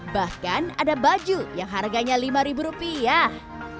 bahkan ada baju yang harganya lima ribu rupiah